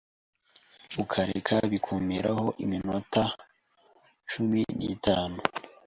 ukareka bikumiraho iminota cumi nitanu